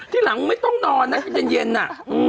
ที่หลังไม่ต้องนอนนะเย็นน่ะ